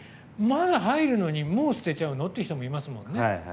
まだ入るのにもう捨てちゃうの？っていう人もいますもんね。